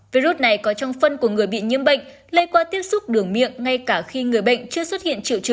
virus này có trong phân của người bị nhiễm bệnh lây qua tiếp xúc đường miệng ngay cả khi người bệnh